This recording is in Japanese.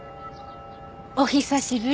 お久しぶり。